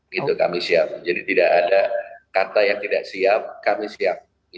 gitu kami siap jadi tidak ada kata yang tidak siap kami siap